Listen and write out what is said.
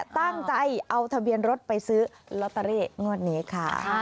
ตั้งใจเอาทะเบียนรถไปซื้อรอตาเร่งนวดนี้ค่ะค่ะ